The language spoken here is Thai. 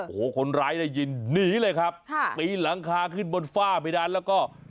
โอ้โหคนร้ายได้ยินหนีเลยครับค่ะปีนหลังคาขึ้นบนฝ้าเพดานแล้วก็